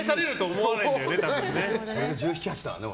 それが１７、１８だからね。